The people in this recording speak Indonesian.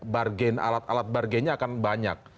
bargain alat alat bargainnya akan banyak